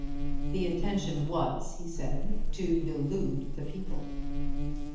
The intention was, he said, to delude the people.